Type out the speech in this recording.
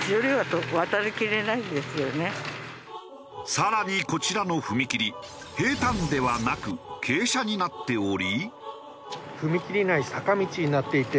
更にこちらの踏切平坦ではなく傾斜になっており。